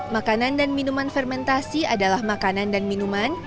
makanan dan minuman fermentasi adalah makanan dan minuman